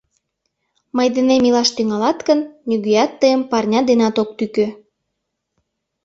— Мый денем илаш тӱҥалат гын, нигӧат тыйым парня денат ок тӱкӧ.